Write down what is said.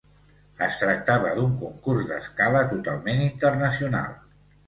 Es tractava d'un concurs d'escala totalment internacional.